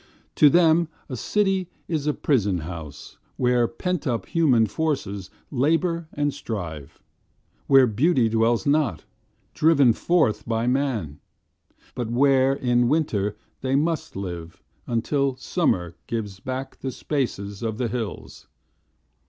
To them a city is a prison house Where pent up human forces labour and strive, Where beauty dwells not, driven forth by man; But where in winter they must live until Summer gives back the spaces of the hills.